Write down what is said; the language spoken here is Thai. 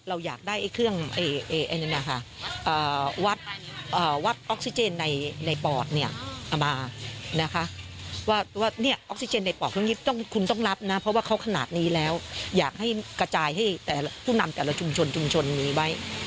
อาจจะฟังครูปฏีบนะครับ